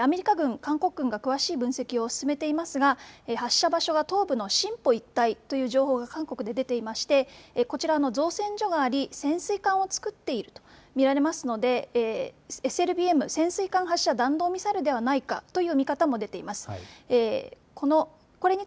アメリカ軍、韓国軍が詳しい分析を進めていますが発射場所が東部のシンポ一帯という情報が韓国で出ていましてこちら、造船所があり、潜水艦をつくっていると見られますのでＳＬＢＭ・潜水艦発射弾道ミサイルではないかという見方も出ています。